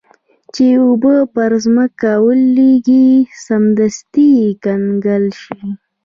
چې اوبه پر مځکه ولویږي سمدستي کنګل شي.